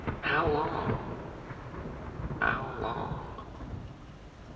How long? How long?